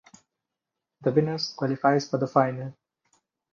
The winners qualifies for the final.